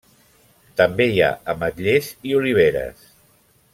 També hi ha ametllers i oliveres.